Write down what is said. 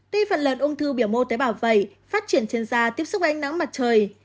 tuy phần lợn ung thư biểu mô tế bào vẩy phát triển trên da tiếp xúc ánh nắng mặt trời